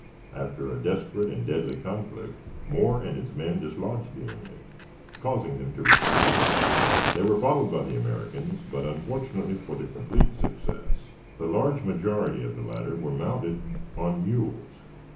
After a desperate and deadly conflict, Moore and his men dislodged the enemy, causing them to retreat. They were followed by the Americans, but, unfortunately for their complete success, the large majority of the latter were mounted on mules.